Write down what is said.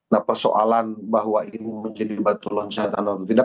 nah persoalan bahwa ini menjadi batu loncatan atau tidak